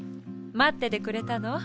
まっててくれたの？